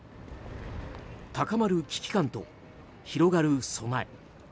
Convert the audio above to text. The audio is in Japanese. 高まる危機感と広がる備え。